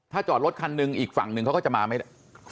ถ้าจอดรถคันหนึ่งอีกฝั่งหนึ่งเขาก็จะมาไม่ได้